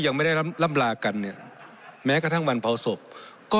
ยังไม่ได้ล่ำลากันเนี่ยแม้กระทั่งวันเผาศพก็